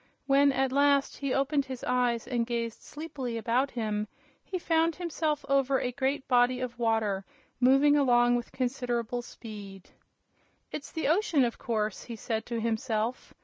When, at last, he opened his eyes and gazed sleepily about him, he found himself over a great body of water, moving along with considerable speed. "It's the ocean, of course," he said to himself.